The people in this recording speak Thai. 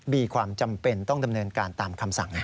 มีความจำเป็นต้องดำเนินการตามคำสั่ง